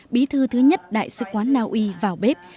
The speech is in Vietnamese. bí thư thứ nhất đại sứ quán naui vào bếp